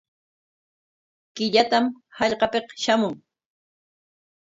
Killatam hallqapik shamun.